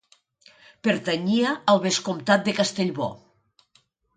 Pertanyia al vescomtat de Castellbò.